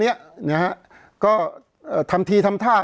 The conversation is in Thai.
เพราะฉะนั้นประชาธิปไตยเนี่ยคือการยอมรับความเห็นที่แตกต่าง